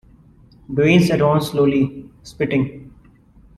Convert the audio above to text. Dawes advanced slowly, spitting.